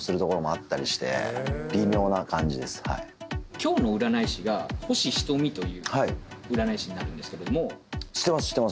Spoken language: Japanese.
今日の占い師が星ひとみという占い師になるんですけども。